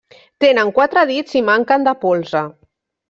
Tenen quatre dits i manquen de polze.